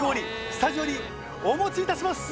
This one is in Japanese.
スタジオにお持ちいたします。